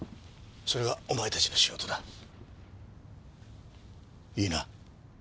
それがお前たちの仕事だ。いいな？